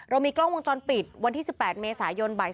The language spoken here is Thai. เรามีกล้องวงจรปิดวันที่๑๘เมษายนบ่าย๒